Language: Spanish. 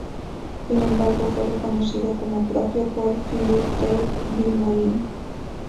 Sin embargo, fue reconocido como propio por Philippe de Vilmorin.